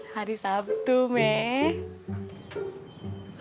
hari sabtu meh